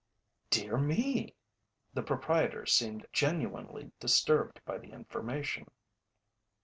"Dear me!" The proprietor seemed genuinely disturbed by the information.